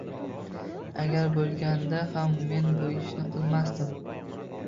Agar bo’lganda ham men bu ishni qilmasdim.